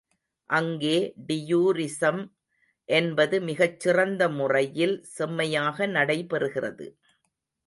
அங்கே டியூரிசம் என்பது மிகச் சிறந்த முறையில் செம்மையாக நடைபெறுகிறது.